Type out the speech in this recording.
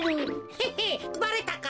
ヘヘッばれたか。